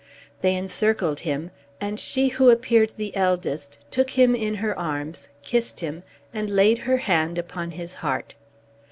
They encircled him, and she who appeared the eldest took him in her arms, kissed him, and laid her hand upon his heart.